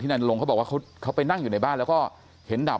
นันลงเขาบอกว่าเขาไปนั่งอยู่ในบ้านแล้วก็เห็นดาบ